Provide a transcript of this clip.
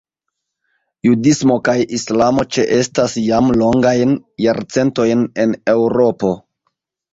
Judismo kaj islamo ĉeestas jam longajn jarcentojn en Eŭropo.